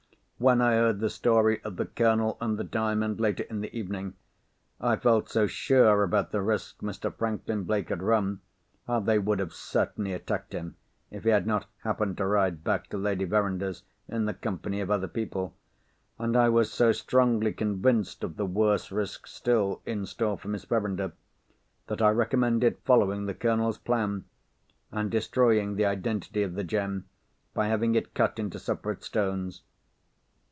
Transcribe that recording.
When I heard the story of the Colonel and the Diamond, later in the evening, I felt so sure about the risk Mr. Franklin Blake had run (they would have certainly attacked him, if he had not happened to ride back to Lady Verinder's in the company of other people); and I was so strongly convinced of the worse risk still, in store for Miss Verinder, that I recommended following the Colonel's plan, and destroying the identity of the gem by having it cut into separate stones.